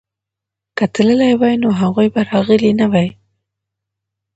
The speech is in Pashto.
که تللي وای نو هغوی به راغلي نه وای.